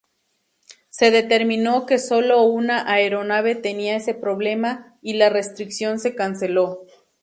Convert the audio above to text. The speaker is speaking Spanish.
Se determinó que solo una aeronave tenía este problema, y la restricción se canceló.